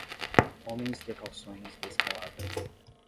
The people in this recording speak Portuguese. Homens de calções de escalada.